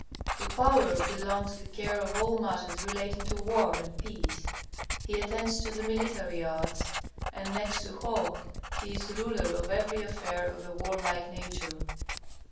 To Power belongs the care of all matters relating to war and peace. He attends to the military arts, and, next to Hoh, he is ruler in every affair of a warlike nature.